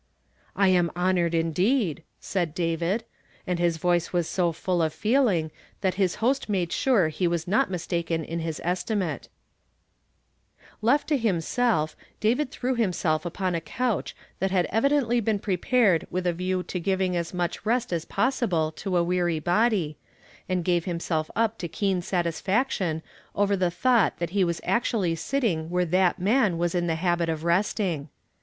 "f am honored indeed! " said David; and his voice was so full of feeling that his host made sure he was not mistaken in his estimate, k <( I WILL SEEK HIM.' 145 ^1 lie Left to himself, David threw himself upon a couch that had evidently been prepared with a view to giving as much rest as possible to a weary body, and gave himself up to keen satisfaction over the thought that he Avas actually sitting where that man was in the habit of resting.